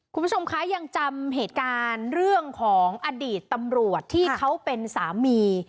คุณผู้ชมคะยังจำเหตุการณ์เรื่องของอดีตตำรวจที่เขาเป็นสามี